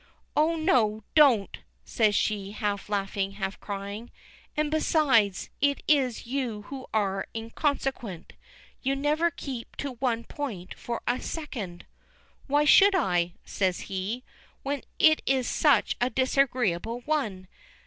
"Oh, no! don't," says she, half laughing, half crying. "And besides, it is you who are inconsequent. You never keep to one point for a second." "Why should I?" says he, "when it is such a disagreeable one.